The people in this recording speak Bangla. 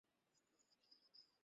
ওর একটা সংসার আছে এখন।